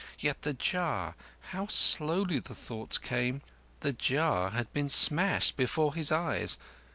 Yet the jar—how slowly the thoughts came!—the jar had been smashed before his eyes.